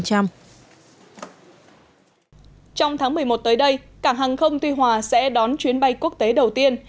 trong tháng một mươi một tới đây cảng hàng không tuy hòa sẽ đón chuyến bay quốc tế đầu tiên